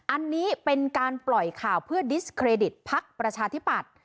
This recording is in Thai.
อันนี้เป็นการปล่อยข่าวเพื่อดิสเครดิตภักดิ์ประชาธิปัตย์